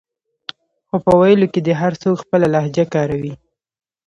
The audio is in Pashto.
خو په ویلو کې دې هر څوک خپله لهجه کاروي